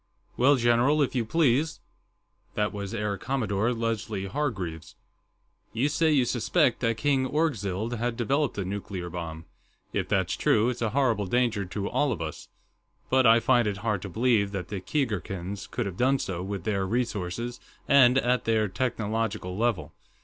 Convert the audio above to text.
"Well, general, if you please." That was Air Commodore Leslie Hargreaves. "You say you suspect that King Orgzild has developed a nuclear bomb. If that's true, it's a horrible danger to all of us. But I find it hard to believe that the Keegarkans could have done so, with their resources and at their technological level.